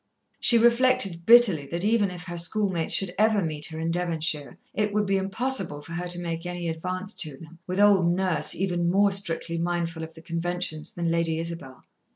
She reflected bitterly that even if her schoolmates should ever meet her in Devonshire, it would be impossible for her to make any advance to them, with old Nurse, even more strictly mindful of the conventions than Lady Isabel.